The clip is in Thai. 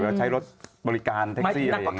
เราใช้รถบริการแท็กซี่อะไรอย่างนี้